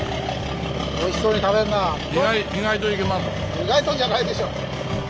意外とじゃないでしょう！